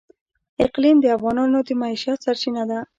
اقلیم د افغانانو د معیشت سرچینه ده.